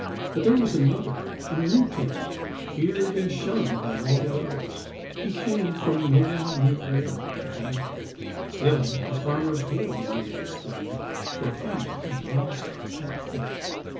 But there was another, a new tenant, feared and shunned by all the others. He came from no one knew where, exactly; still the farmer's boy might have explained, for he had lost a pet ferret.